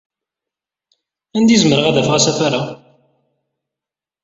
Anda ay zemreɣ ad afeɣ asafar-a?